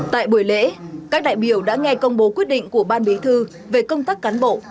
tại buổi lễ các đại biểu đã nghe công bố quyết định của ban bí thư về công tác cán bộ